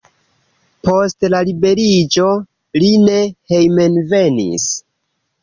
Post la liberiĝo li ne hejmenvenis.